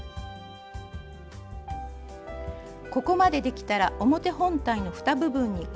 ここまでできたら表本体のふた部分にコードをつけます。